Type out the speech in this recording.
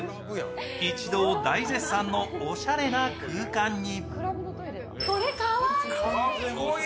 一同大絶賛のおしゃれな空間に。